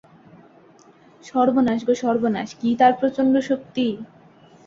সর্বনাশ গো সর্বনাশ, কী তার প্রচণ্ড শক্তি!